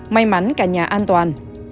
may mắn cả nhà an toàn